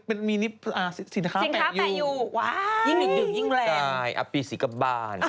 เป็นโชว์